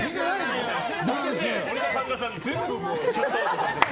俺と神田さん全部シャットアウトされちゃって。